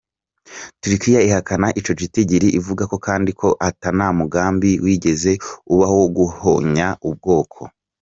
Turkiya ihakana ico gitigiri ikavuga kandi ko ata mugambi wigeze ubaho wo guhonya ubwoko.